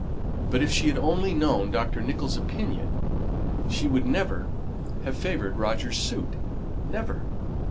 But if she had only known Dr. Nicholls' opinion she would never have favoured Roger's suit; never.